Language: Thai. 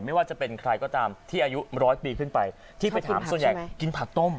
ไม่ว่าจะเป็นใครก็ตามที่อายุร้อยปีขึ้นไปที่ไปถามส่วนใหญ่กินผักต้ม